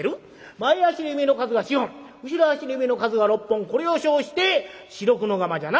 前足の指の数が４本後ろ足の指の数が６本これを称して四六のがまじゃな。